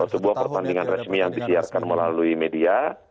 sebuah pertandingan resmi yang disiarkan melalui media